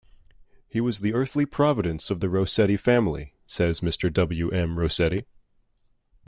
'He was the earthly providence of the Rossetti family,' says Mr. W. M. Rossetti.